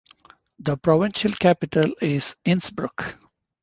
The provincial capital is Innsbruck.